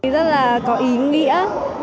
rất là có ý nghĩa